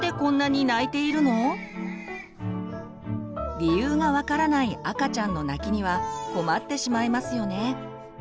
理由が分からない赤ちゃんの泣きには困ってしまいますよね。